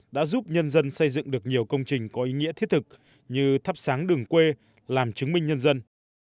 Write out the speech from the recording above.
đã giúp nhân dân xây dựng được nhiều công trình có ý nghĩa thiết thực như thắp sáng đường quê làm chứng minh nhân dân